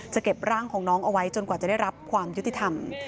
เก็บร่างของน้องเอาไว้จนกว่าจะได้รับความยุติธรรม